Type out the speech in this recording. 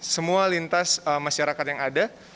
semua lintas masyarakat yang ada